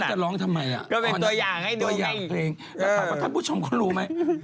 ดังแปดประธานบูชมคุณรู้มั้ย